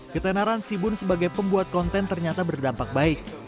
ketenaran sibun sebagai pembuat konten ternyata berdampak baik